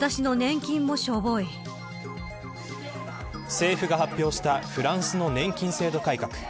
政府が発表したフランスの年金制度改革。